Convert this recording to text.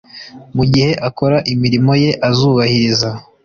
mu gihe akora imirimo ye azubahiriza